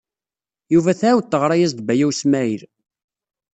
Yuba tɛawed teɣra-as-d Baya U Smaɛil.